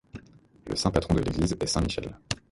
Le saint-patron de l'église est saint Michel.